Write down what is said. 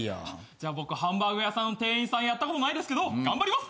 じゃ僕ハンバーグ屋さんの店員さんやったことないですけど頑張ります！